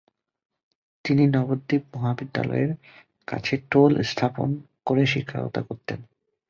তিনি নবদ্বীপ মহাবিদ্যালয়ের কাছে টোল স্থাপন করে শিক্ষকতা করতেন।